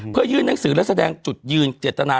เพื่อยื่นหนังสือและแสดงจุดยืนเจตนา